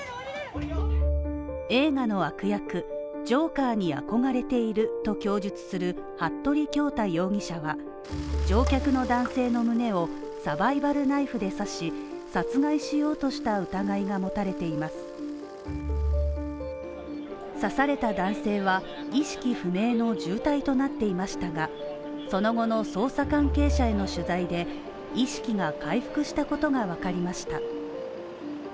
映画の悪役ジョーカーに憧れていると供述する服部恭太容疑者は乗客の男性の胸をサバイバルナイフで刺し、殺害しようとした疑いが持たれています刺された男性は意識不明の重体となっていましたが、その後の捜査関係者への取材で、意識が回復したことがわかりました。